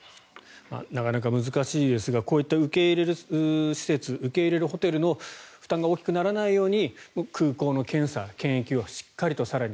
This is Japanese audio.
なかなか難しいですがこういった受け入れる施設受け入れるホテルの負担が大きくならないように空港の検査、検疫をしっかりと、更に。